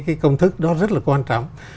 cái công thức đó rất là quan trọng